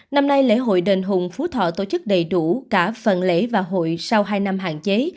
năm nay lễ hội đền hùng phú thọ tổ chức đầy đủ cả phần lễ và hội sau hai năm hạn chế